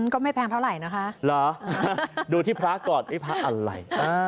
ก็ไม่แพงเท่าไหร่นะคะเหรอดูที่พระก่อนเอ๊ะพระอะไร